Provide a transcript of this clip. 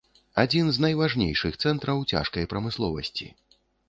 Адзін з найважнейшых цэнтраў цяжкай прамысловасці.